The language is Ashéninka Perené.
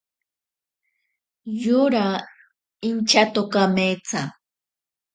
Yora inchato kametsa.